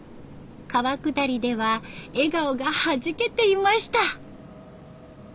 川下りでは笑顔がはじけていました。